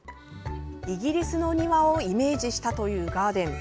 イギリスの庭をイメージしたというガーデン。